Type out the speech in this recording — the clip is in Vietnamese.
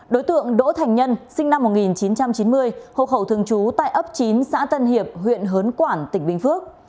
đối tượng đỗ thành nhân sinh năm một nghìn chín trăm chín mươi hộ khẩu thường trú tại ấp chín xã tân hiệp huyện hớn quản tỉnh bình phước